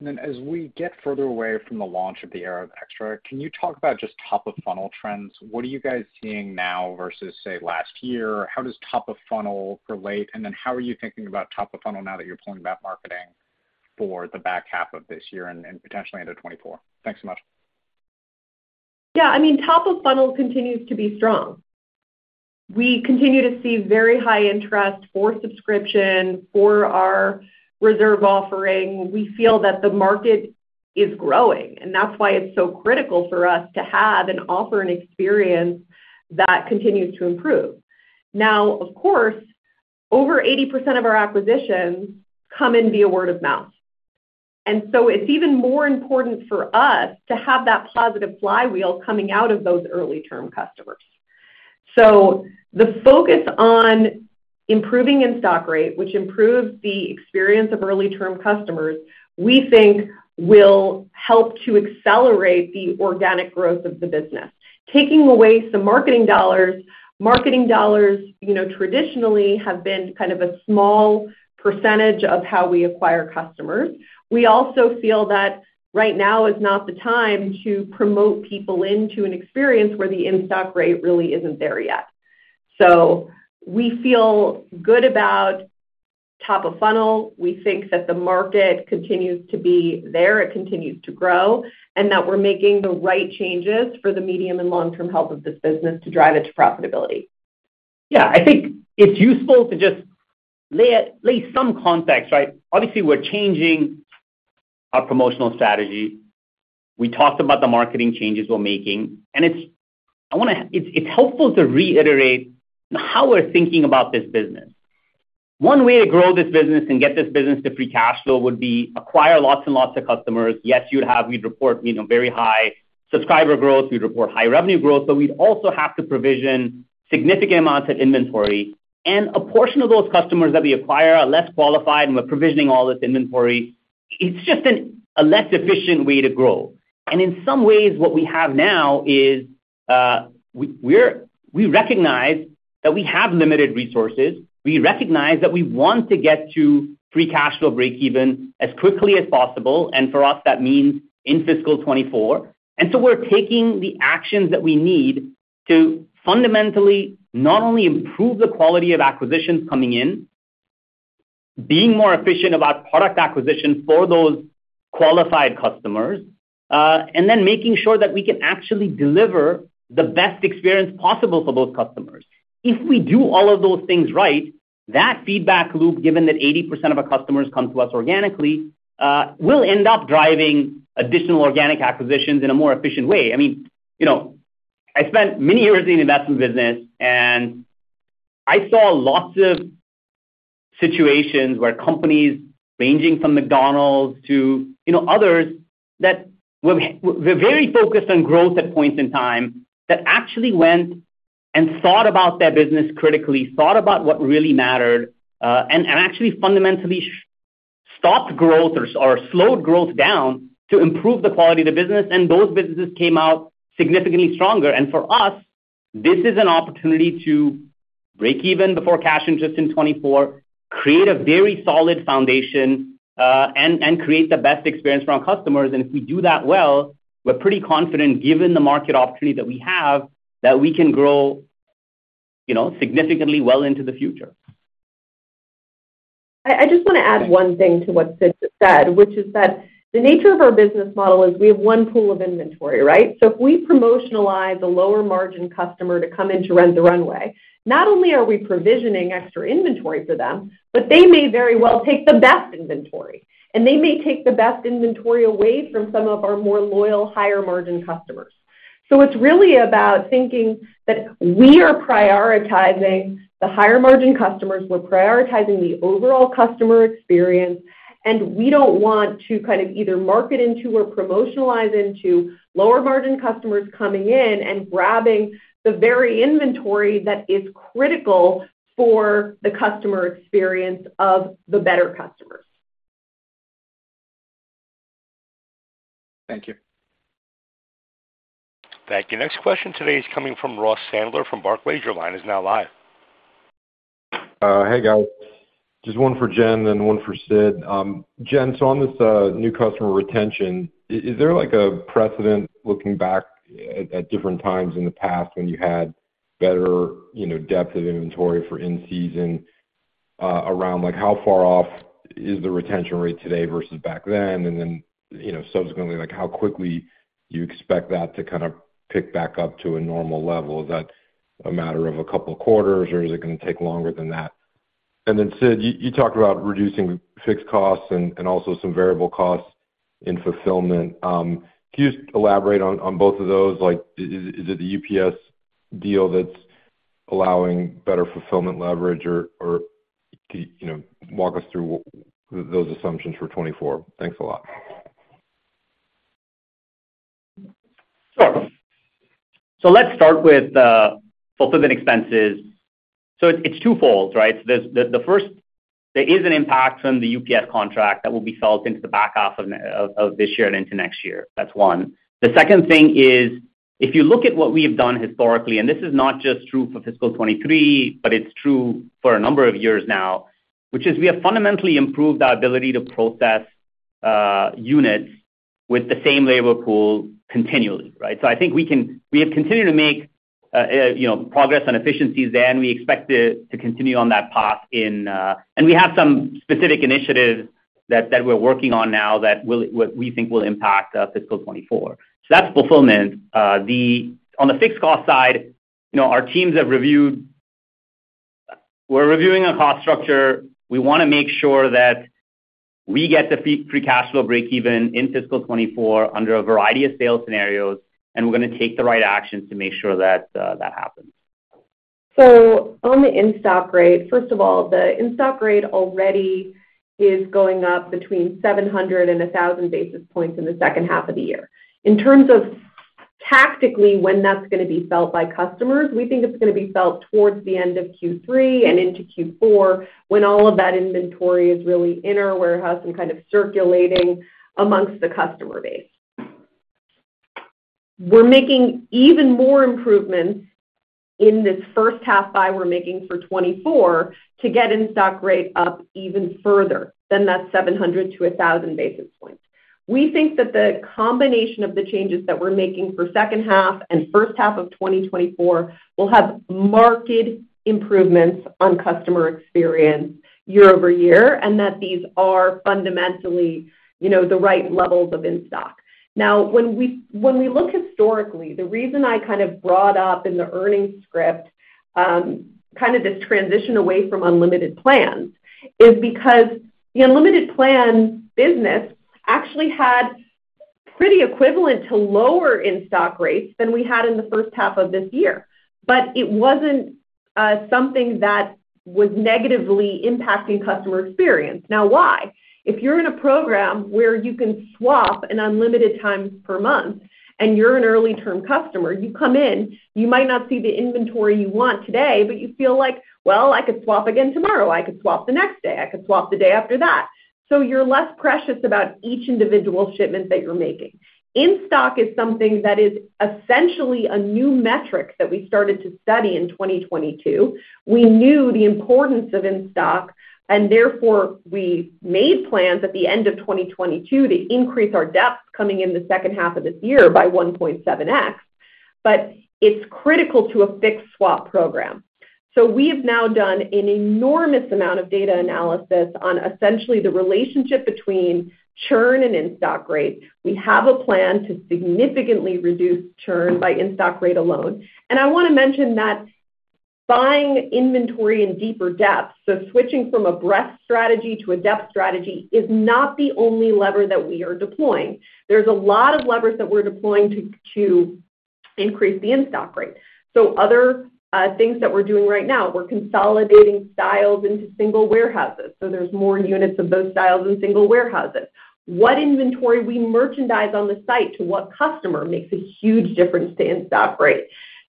Then as we get further away from the launch of the Era of Extra, can you talk about just top-of-funnel trends? What are you guys seeing now versus, say, last year? How does top of funnel relate, and then how are you thinking about top of funnel now that you're pulling back marketing for the back half of this year and, and potentially into 2024? Thanks so much. Yeah, I mean, top of funnel continues to be strong. We continue to see very high interest for Subscription, for our Reserve offering. We feel that the market is growing, and that's why it's so critical for us to have and offer an experience that continues to improve. Now, of course, over 80% of our acquisitions come in via word of mouth, and so it's even more important for us to have that positive flywheel coming out of those early-term customers. So the focus on improving in-stock rate, which improves the experience of early-term customers, we think will help to accelerate the organic growth of the business. Taking away some marketing dollars, marketing dollars, you know, traditionally have been kind of a small percentage of how we acquire customers. We also feel that right now is not the time to promote people into an experience where the in-stock rate really isn't there yet. So we feel good about top of funnel. We think that the market continues to be there, it continues to grow, and that we're making the right changes for the medium and long-term health of this business to drive it to profitability. Yeah, I think it's useful to just lay some context, right? Obviously, we're changing our promotional strategy. We talked about the marketing changes we're making, and it's helpful to reiterate how we're thinking about this business. One way to grow this business and get this business to free cash flow would be acquire lots and lots of customers. Yes, you'd have, we'd report, you know, very high subscriber growth, we'd report high revenue growth, but we'd also have to provision significant amounts of inventory. And a portion of those customers that we acquire are less qualified, and we're provisioning all this inventory. It's just a less efficient way to grow. In some ways, what we have now is, we recognize that we have limited resources, we recognize that we want to get to free cash flow breakeven as quickly as possible, and for us, that means in fiscal 2024. So we're taking the actions that we need to fundamentally not only improve the quality of acquisitions coming in, being more efficient about product acquisition for those qualified customers, and then making sure that we can actually deliver the best experience possible for those customers. If we do all of those things right, that feedback loop, given that 80% of our customers come to us organically, will end up driving additional organic acquisitions in a more efficient way. I mean, you know, I spent many years in the investment business, and I saw lots of situations where companies ranging from McDonald's to, you know, others, that were very focused on growth at points in time, that actually went and thought about their business critically, thought about what really mattered, and actually fundamentally stopped growth or slowed growth down to improve the quality of the business, and those businesses came out significantly stronger. And for us, this is an opportunity to break even before cash interest in 2024, create a very solid foundation, and create the best experience for our customers. And if we do that well, we're pretty confident, given the market opportunity that we have, that we can grow, you know, significantly well into the future. I just want to add one thing to what Sid said, which is that the nature of our business model is we have one pool of inventory, right? So if we promotionalize a lower-margin customer to come in to Rent the Runway, not only are we provisioning extra inventory for them, but they may very well take the best inventory, and they may take the best inventory away from some of our more loyal, higher-margin customers. So it's really about thinking that we are prioritizing the higher-margin customers, we're prioritizing the overall customer experience, and we don't want to kind of either market into or promotionalize into lower-margin customers coming in and grabbing the very inventory that is critical for the customer experience of the better customers. Thank you. Thank you. Next question today is coming from Ross Sandler from Barclays. Your line is now live. Hey, guys, just one for Jen and one for Sid. Jen, so on this, new customer retention, is there, like, a precedent, looking back at, at different times in the past when you had better, you know, depth of inventory for in-season, around, like, how far off is the retention rate today versus back then? And then, you know, subsequently, like, how quickly you expect that to kind of pick back up to a normal level? Is that a matter of a couple of quarters, or is it going to take longer than that? And then, Sid, you talked about reducing fixed costs and, and also some variable costs in fulfillment. Can you just elaborate on both of those? Like, is it the UPS deal that's allowing better fulfillment leverage or can you, you know, walk us through those assumptions for 2024? Thanks a lot. Sure. So let's start with fulfillment expenses. So it's twofold, right? The first, there is an impact from the UPS contract that will be felt into the back half of this year and into next year. That's one. The second thing is, if you look at what we've done historically, and this is not just true for fiscal 2023, but it's true for a number of years now, which is we have fundamentally improved our ability to process units with the same labor pool continually, right? So I think we can, we have continued to make you know progress on efficiencies there, and we expect to continue on that path in. And we have some specific initiatives that we're working on now that will, we think will impact fiscal 2024. So that's fulfillment. On the fixed cost side, you know, our teams have reviewed. We're reviewing our cost structure. We want to make sure that we get the free cash flow breakeven in fiscal 2024 under a variety of sales scenarios, and we're going to take the right actions to make sure that that happens. So on the in-stock rate, first of all, the in-stock rate already is going up between 700 and 1,000 basis points in the second half of the year. In terms of tactically, when that's going to be felt by customers, we think it's going to be felt towards the end of Q3 and into Q4, when all of that inventory is really in our warehouse and kind of circulating amongst the customer base. We're making even more improvements in this first half but we're making for 2024 to get in-stock rate up even further than that 700-1,000 basis points. We think that the combination of the changes that we're making for second half and first half of 2024 will have marked improvements on customer experience year-over-year, and that these are fundamentally, you know, the right levels of in-stock. Now, when we look historically, the reason I kind of brought up in the earnings script, kind of this transition away from unlimited plans, is because the unlimited plan business actually had pretty equivalent to lower in-stock rates than we had in the first half of this year. But it wasn't something that was negatively impacting customer experience. Now, why? If you're in a program where you can swap an unlimited times per month and you're an early-term customer, you come in, you might not see the inventory you want today, but you feel like, "Well, I could swap again tomorrow. I could swap the next day. I could swap the day after that." So you're less precious about each individual shipment that you're making. In-stock is something that is essentially a new metric that we started to study in 2022. We knew the importance of in-stock, and therefore, we made plans at the end of 2022 to increase our depth coming in the second half of this year by 1.7x, but it's critical to a fixed swap program. So we've now done an enormous amount of data analysis on essentially the relationship between churn and in-stock rate. We have a plan to significantly reduce churn by in-stock rate alone. And I want to mention that buying inventory in deeper depth, so switching from a breadth strategy to a depth strategy, is not the only lever that we are deploying. There's a lot of levers that we're deploying to increase the in-stock rate. So other things that we're doing right now, we're consolidating styles into single warehouses, so there's more units of those styles in single warehouses. What inventory we merchandise on the site to what customer makes a huge difference to in-stock rate.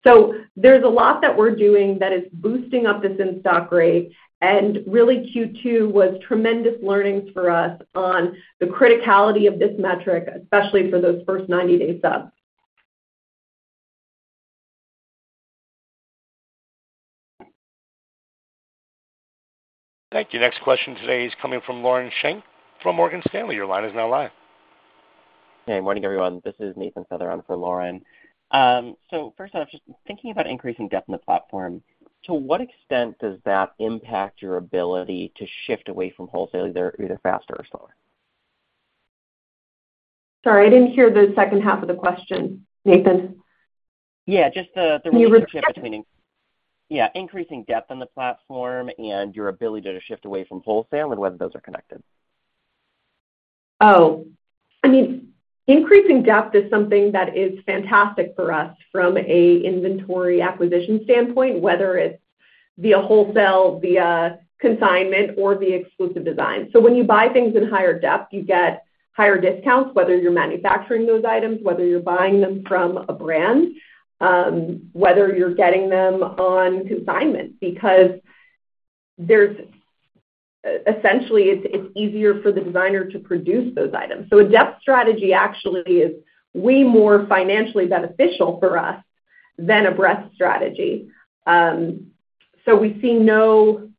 So there's a lot that we're doing that is boosting up this in-stock rate. And really, Q2 was tremendous learnings for us on the criticality of this metric, especially for those first 90 days subs. Thank you. Next question today is coming from Lauren Schenk from Morgan Stanley. Your line is now live. Hey, good morning, everyone. This is Nathan Feather on for Lauren. So first off, just thinking about increasing depth in the platform, to what extent does that impact your ability to shift away from wholesale, either, either faster or slower? Sorry, I didn't hear the second half of the question, Nathan. Yeah, just the- Can you repeat? Yeah, increasing depth in the platform and your ability to shift away from wholesale, and whether those are connected. Oh, I mean, increasing depth is something that is fantastic for us from a inventory acquisition standpoint, whether it's via wholesale, via consignment, or via exclusive design. So when you buy things in higher depth, you get higher discounts, whether you're manufacturing those items, whether you're buying them from a brand, whether you're getting them on consignment, because there's essentially it's easier for the designer to produce those items. So a depth strategy actually is way more financially beneficial for us than a breadth strategy. So we see no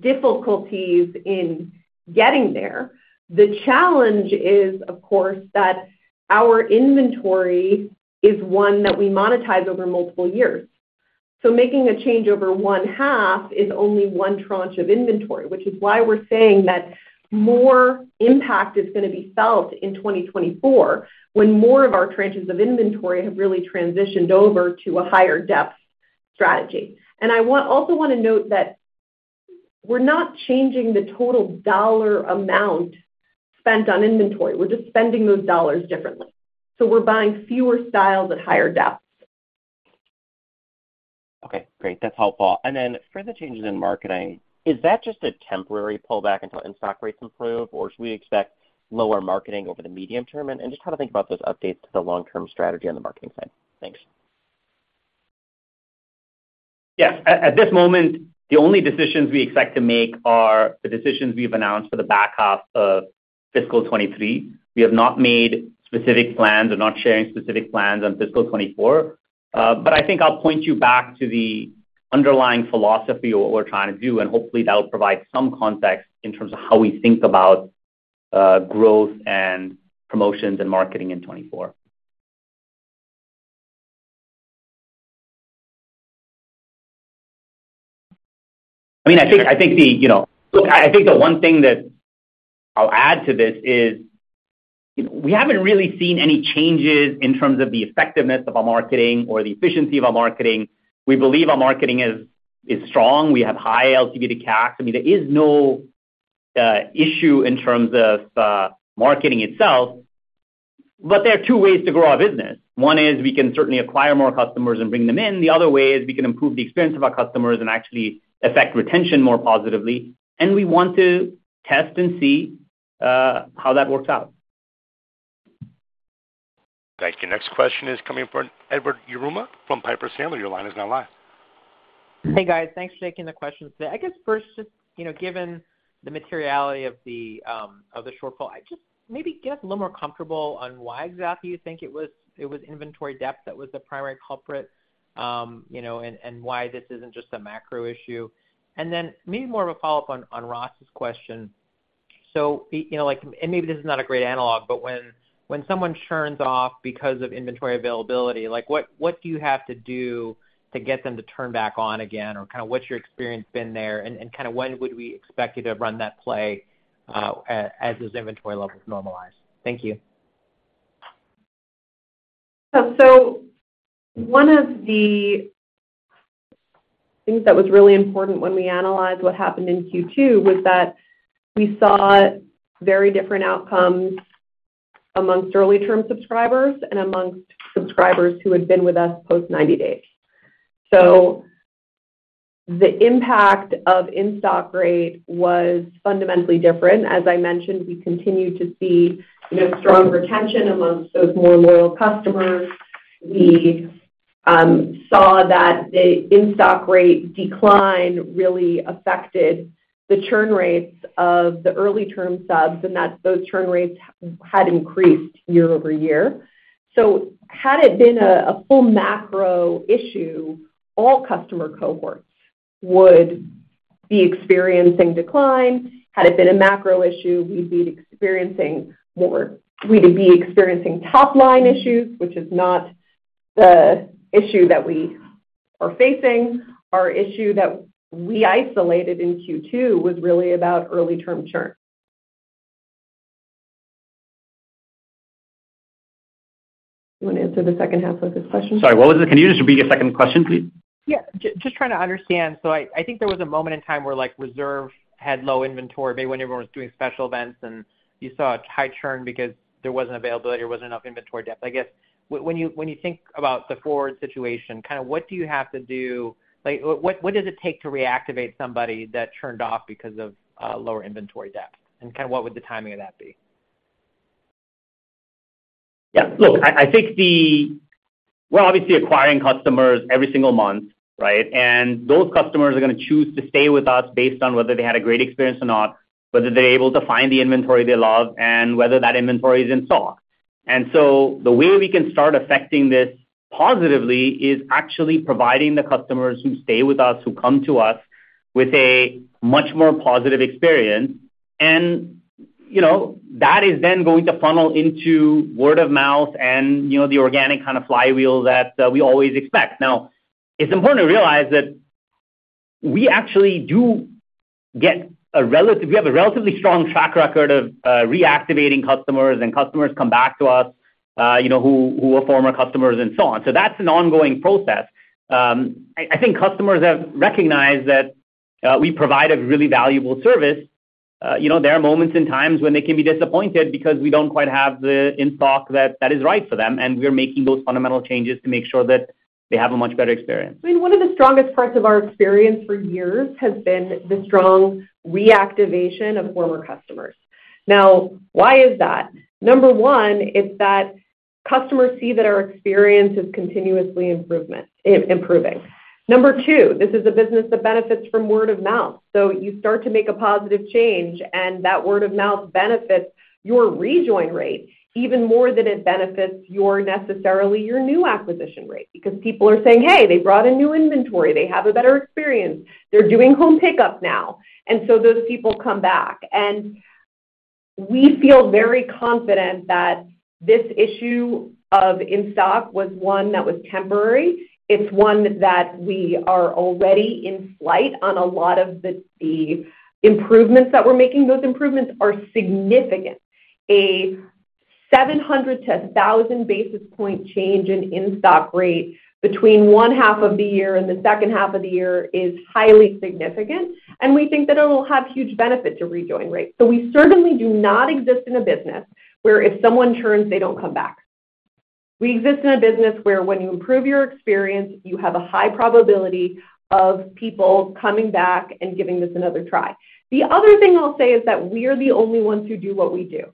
difficulties in getting there. The challenge is, of course, that our inventory is one that we monetize over multiple years. Making a change over one half is only one tranche of inventory, which is why we're saying that more impact is going to be felt in 2024, when more of our tranches of inventory have really transitioned over to a higher depth strategy. And I also want to note that we're not changing the total dollar amount spent on inventory. We're just spending those dollars differently. We're buying fewer styles at higher depths. Okay, great. That's helpful. And then for the changes in marketing, is that just a temporary pullback until in-stock rates improve, or should we expect lower marketing over the medium term? And, and just how to think about those updates to the long-term strategy on the marketing side? Thanks. Yes. At this moment, the only decisions we expect to make are the decisions we've announced for the back half of fiscal 2023. We have not made specific plans and not sharing specific plans on fiscal 2024. But I think I'll point you back to the underlying philosophy of what we're trying to do, and hopefully that will provide some context in terms of how we think about growth and promotions and marketing in 2024. I mean, I think the, you know, look, I think the one thing that I'll add to this is, we haven't really seen any changes in terms of the effectiveness of our marketing or the efficiency of our marketing. We believe our marketing is strong. We have high LTV to CAC. I mean, there is no issue in terms of marketing itself, but there are two ways to grow our business. One is we can certainly acquire more customers and bring them in. The other way is we can improve the experience of our customers and actually affect retention more positively, and we want to test and see how that works out. Thank you. Next question is coming from Edward Yruma from Piper Sandler. Your line is now live. Hey, guys. Thanks for taking the questions today. I guess first, just, you know, given the materiality of the, of the shortfall, I just maybe get a little more comfortable on why exactly you think it was, it was inventory depth that was the primary culprit, you know, and why this isn't just a macro issue. And then maybe more of a follow-up on, on Ross's question. So, you know, like, and maybe this is not a great analog, but when, when someone churns off because of inventory availability, like, what, what do you have to do to get them to turn back on again? Or kind of what's your experience been there, and kind of when would we expect you to run that play, as those inventory levels normalize? Thank you. So one of the things that was really important when we analyzed what happened in Q2 was that we saw very different outcomes amongst early term subscribers and amongst subscribers who had been with us post 90 days. So the impact of in-stock rate was fundamentally different. As I mentioned, we continued to see, you know, strong retention amongst those more loyal customers. We saw that the in-stock rate decline really affected the churn rates of the early term subs, and that those churn rates had increased year-over-year. So had it been a full macro issue, all customer cohorts would be experiencing decline. Had it been a macro issue, we'd be experiencing more, we would be experiencing top-line issues, which is not the issue that we are facing. Our issue that we isolated in Q2 was really about early term churn. You want to answer the second half of this question? Sorry, what was it? Can you just repeat your second question, please? Yeah, just, just trying to understand. So I, I think there was a moment in time where, like, Reserve had low inventory, maybe when everyone was doing special events, and you saw a high churn because there wasn't availability, there wasn't enough inventory depth. I guess, when you, when you think about the forward situation, kind of what do you have to do? Like, what, what does it take to reactivate somebody that churned off because of lower inventory depth? And kind of what would the timing of that be? Yeah, look, I, I think the, we're obviously acquiring customers every single month, right? And those customers are going to choose to stay with us based on whether they had a great experience or not, whether they're able to find the inventory they love, and whether that inventory is in stock. And so the way we can start affecting this positively is actually providing the customers who stay with us, who come to us, with a much more positive experience. And, you know, that is then going to funnel into word of mouth and, you know, the organic kind of flywheel that we always expect. Now, it's important to realize that we actually do get a relative, we have a relatively strong track record of reactivating customers, and customers come back to us, you know, who, who are former customers and so on. So that's an ongoing process. I think customers have recognized that, we provide a really valuable service. You know, there are moments and times when they can be disappointed because we don't quite have the in-stock that is right for them, and we're making those fundamental changes to make sure that they have a much better experience. I mean, one of the strongest parts of our experience for years has been the strong reactivation of former customers. Now, why is that? Number one, it's that customers see that our experience is continuously improving. Number two, this is a business that benefits from word of mouth. So you start to make a positive change, and that word of mouth benefits your rejoin rate even more than it benefits your, necessarily, your new acquisition rate. Because people are saying, "Hey, they brought in new inventory. They have a better experience. They're doing home pickup now." And so those people come back. And we feel very confident that this issue of in-stock was one that was temporary. It's one that we are already in flight on a lot of the improvements that we're making. Those improvements are significant. A 700-1,000-basis point change in in-stock rate between the first half of the year and the second half of the year is highly significant, and we think that it will have huge benefit to rejoin rate. So we certainly do not exist in a business where if someone churns, they don't come back. We exist in a business where when you improve your experience, you have a high probability of people coming back and giving this another try. The other thing I'll say is that we are the only ones who do what we do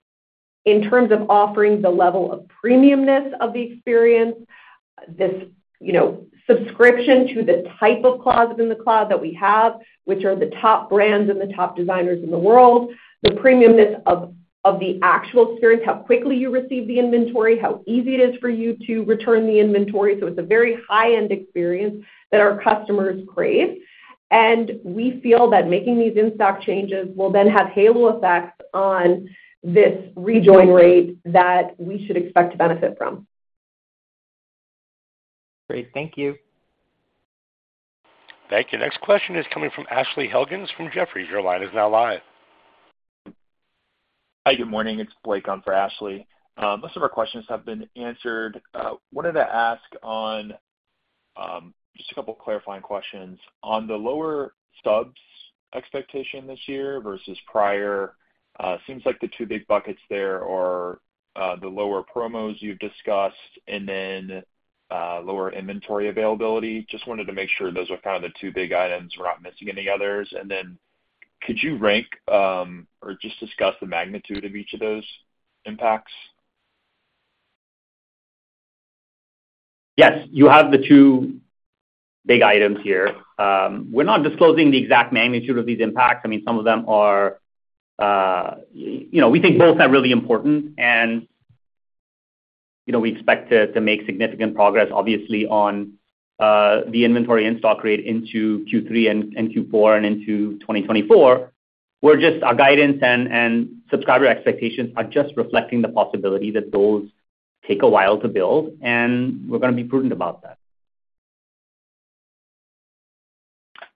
in terms of offering the level of premiumness of the experience, this, you know, Subscription to the type of Closet in the Cloud that we have, which are the top brands and the top designers in the world, the premiumness of, of the actual experience, how quickly you receive the inventory, how easy it is for you to return the inventory. So it's a very high-end experience that our customers crave, and we feel that making these in-stock changes will then have halo effects on this rejoin rate that we should expect to benefit from. Great. Thank you. Thank you. Next question is coming from Ashley Helgans from Jefferies. Your line is now live. Hi, good morning. It's Blake on for Ashley. Most of our questions have been answered. Wanted to ask on just a couple of clarifying questions. On the lower subs expectation this year versus prior, seems like the two big buckets there are the lower promos you've discussed and then lower inventory availability. Just wanted to make sure those are kind of the two big items, we're not missing any others. And then could you rank or just discuss the magnitude of each of those impacts? Yes, you have the two big items here. We're not disclosing the exact magnitude of these impacts. I mean, some of them are. You know, we think both are really important, and, you know, we expect to make significant progress, obviously, on the inventory in-stock rate into Q3 and Q4 and into 2024, where just our guidance and subscriber expectations are just reflecting the possibility that those take a while to build, and we're gonna be prudent about that.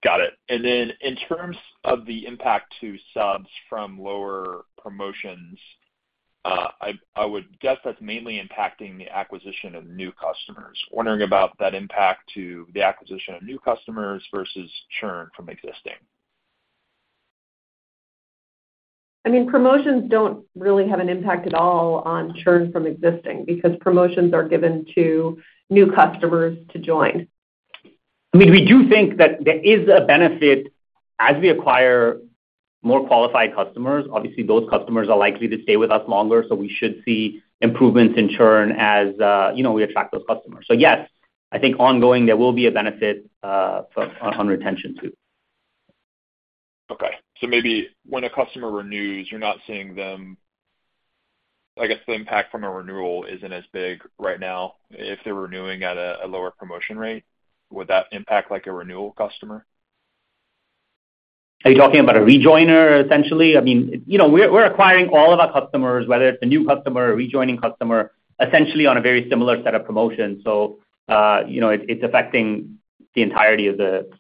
Got it. And then in terms of the impact to subs from lower promotions, I would guess that's mainly impacting the acquisition of new customers. Wondering about that impact to the acquisition of new customers versus churn from existing. I mean, promotions don't really have an impact at all on churn from existing, because promotions are given to new customers to join. I mean, we do think that there is a benefit as we acquire more qualified customers. Obviously, those customers are likely to stay with us longer, so we should see improvements in churn as, you know, we attract those customers. So yes, I think ongoing, there will be a benefit on retention, too. Okay. So maybe when a customer renews, you're not seeing them, I guess the impact from a renewal isn't as big right now. If they're renewing at a lower promotion rate, would that impact, like, a renewal customer? Are you talking about a rejoiner, essentially? I mean, you know, we're acquiring all of our customers, whether it's a new customer or rejoining customer, essentially on a very similar set of promotions. So, you know, it's affecting the entirety of the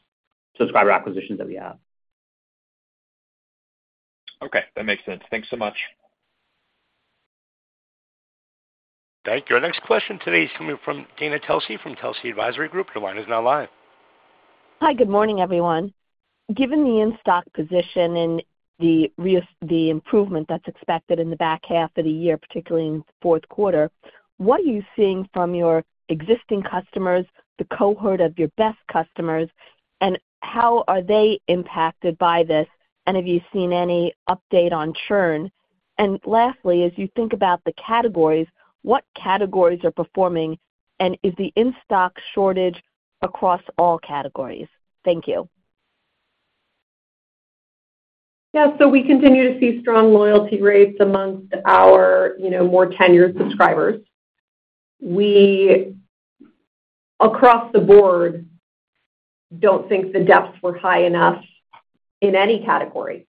subscriber acquisitions that we have. Okay, that makes sense. Thanks so much. Thank you. Our next question today is coming from Dana Telsey, from Telsey Advisory Group. Your line is now live. Hi. Good morning, everyone. Given the in-stock position and the improvement that's expected in the back half of the year, particularly in the fourth quarter, what are you seeing from your existing customers, the cohort of your best customers, and how are they impacted by this? And have you seen any update on churn? And lastly, as you think about the categories, what categories are performing, and is the in-stock shortage across all categories? Thank you. Yeah, so we continue to see strong loyalty rates among our, you know, more tenured subscribers. We, across the board, don't think the depths were high enough in any category,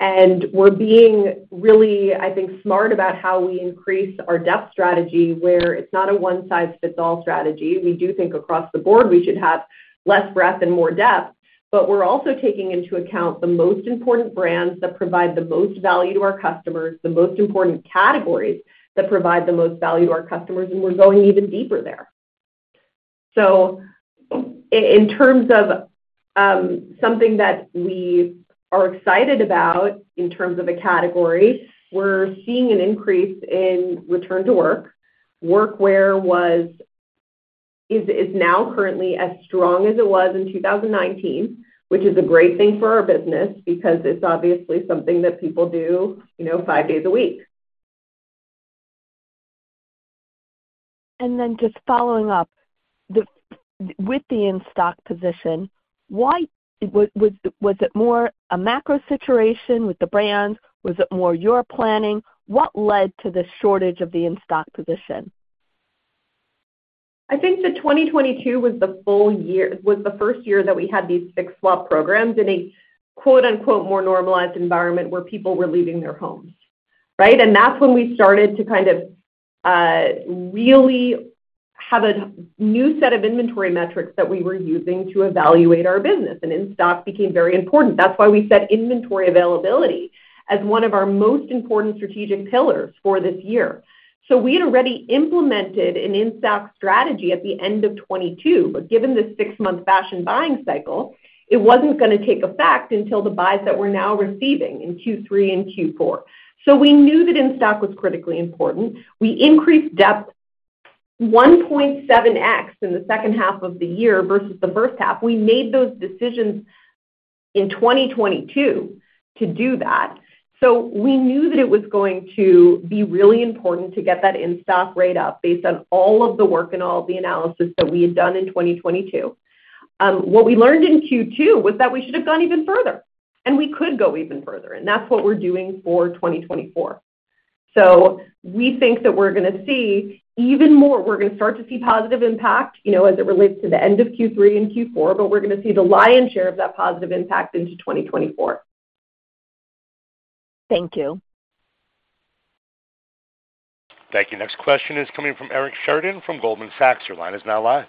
and we're being really, I think, smart about how we increase our depth strategy, where it's not a one-size-fits-all strategy. We do think across the board, we should have less breadth and more depth, but we're also taking into account the most important brands that provide the most value to our customers, the most important categories that provide the most value to our customers, and we're going even deeper there. So in terms of something that we are excited about in terms of a category, we're seeing an increase in return to work. Workwear is now currently as strong as it was in 2019, which is a great thing for our business, because it's obviously something that people do, you know, five days a week. Just following up with the in-stock position, why was it more a macro situation with the brands? Was it more your planning? What led to the shortage of the in-stock position? I think that 2022 was the first year that we had these fixed swap programs in a, quote-unquote, more normalized environment, where people were leaving their homes, right? That's when we started to kind of really have a new set of inventory metrics that we were using to evaluate our business, and in-stock became very important. That's why we set inventory availability as one of our most important strategic pillars for this year. So we had already implemented an in-stock strategy at the end of 2022, but given the six-month fashion buying cycle, it wasn't gonna take effect until the buys that we're now receiving in Q3 and Q4. So we knew that in-stock was critically important. We increased depth 1.7x in the second half of the year versus the first half. We made those decisions in 2022 to do that. So we knew that it was going to be really important to get that in-stock rate up based on all of the work and all of the analysis that we had done in 2022. What we learned in Q2 was that we should have gone even further, and we could go even further, and that's what we're doing for 2024. So we think that we're gonna see even more, we're gonna start to see positive impact, you know, as it relates to the end of Q3 and Q4, but we're gonna see the lion's share of that positive impact into 2024. Thank you. Thank you. Next question is coming from Eric Sheridan from Goldman Sachs. Your line is now live.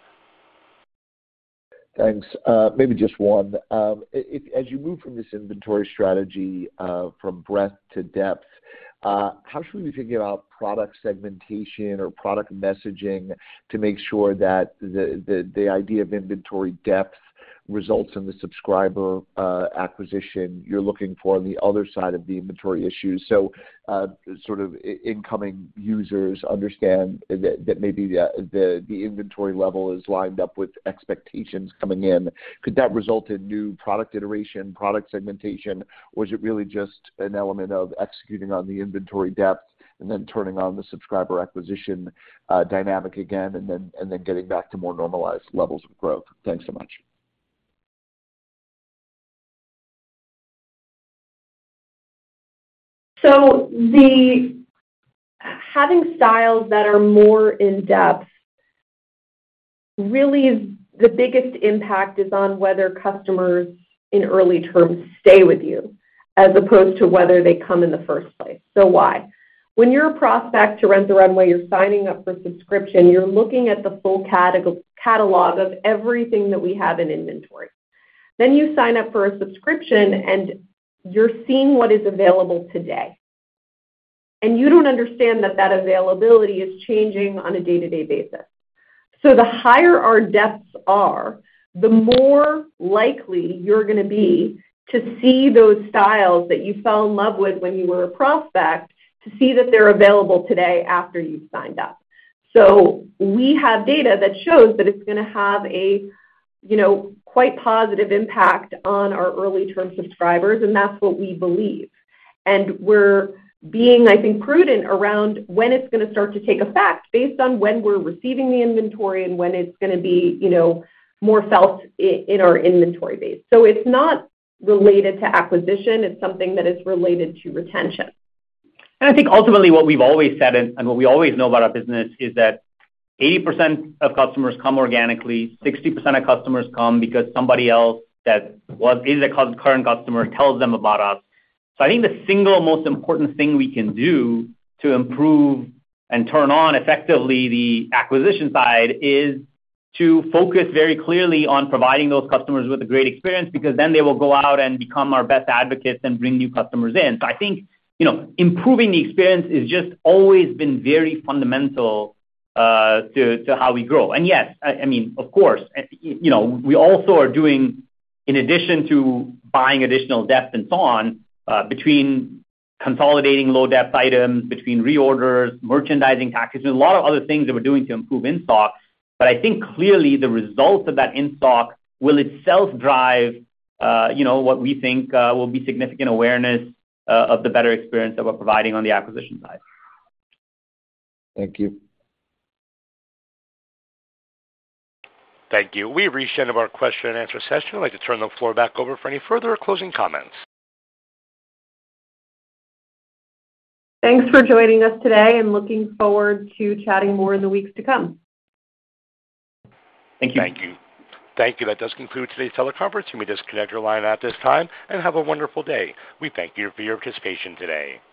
Thanks. Maybe just one. As you move from this inventory strategy from breadth to depth, how should we think about product segmentation or product messaging to make sure that the idea of inventory depth results in the subscriber acquisition you're looking for on the other side of the inventory issues? So, sort of incoming users understand that maybe the inventory level is lined up with expectations coming in. Could that result in new product iteration, product segmentation? Or is it really just an element of executing on the inventory depth and then turning on the subscriber acquisition dynamic again, and then getting back to more normalized levels of growth? Thanks so much. So, the having styles that are more in-depth really is the biggest impact is on whether customers, in early terms, stay with you, as opposed to whether they come in the first place. So why? When you're a prospect to Rent the Runway, you're signing up for Subscription, you're looking at the full catalog of everything that we have in inventory. Then you sign up for a Subscription, and you're seeing what is available today, and you don't understand that that availability is changing on a day-to-day basis. So the higher our depths are, the more likely you're gonna be to see those styles that you fell in love with when you were a prospect, to see that they're available today after you've signed up. So we have data that shows that it's gonna have a, you know, quite positive impact on our early term subscribers, and that's what we believe. We're being, I think, prudent around when it's gonna start to take effect based on when we're receiving the inventory and when it's gonna be, you know, more felt in our inventory base. So it's not related to acquisition, it's something that is related to retention. I think ultimately, what we've always said and what we always know about our business, is that 80% of customers come organically, 60% of customers come because somebody else that was, is a current customer tells them about us. So I think the single most important thing we can do to improve and turn on effectively the acquisition side, is to focus very clearly on providing those customers with a great experience, because then they will go out and become our best advocates and bring new customers in. So I think, you know, improving the experience is just always been very fundamental, to, to how we grow. And yes, I mean, of course, you know, we also are doing, in addition to buying additional depth and so on, between consolidating low-depth items, between reorders, merchandising packages, there's a lot of other things that we're doing to improve in-stock. But I think clearly the result of that in-stock will itself drive, you know, what we think, will be significant awareness, of the better experience that we're providing on the acquisition side. Thank you. Thank you. We've reached the end of our question-and-answer session. I'd like to turn the floor back over for any further closing comments. Thanks for joining us today, and looking forward to chatting more in the weeks to come. Thank you. Thank you. That does conclude today's teleconference. You may disconnect your line at this time, and have a wonderful day. We thank you for your participation today.